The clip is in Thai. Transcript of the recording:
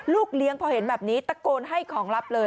เลี้ยงพอเห็นแบบนี้ตะโกนให้ของลับเลย